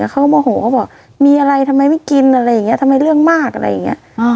เขาก็โมโหเขาบอกมีอะไรทำไมไม่กินอะไรอย่างนี้ทำไมเรื่องมากอะไรอย่างนี้